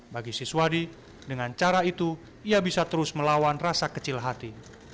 bagi siswadi dengan cara itu ia bisa terus melawan rasa kecil hati